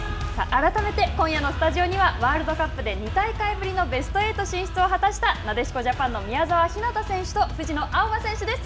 改めて、今夜のスタジオにはワールドカップで２大会ぶりのベスト８進出を果たしたなでしこジャパンの宮澤ひなた選手と、藤野あおば選手です。